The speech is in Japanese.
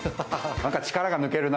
何か力が抜けるな。